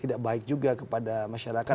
tidak baik juga kepada masyarakat